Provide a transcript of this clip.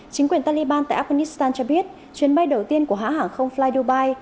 chính quyền taliban tại afghanistan cho biết chuyến bay đầu tiên của hãng hàng không fly dubai